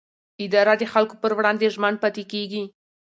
اداره د خلکو پر وړاندې ژمن پاتې کېږي.